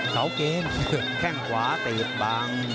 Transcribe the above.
เขาเกรงแข้งขวาแตดบาง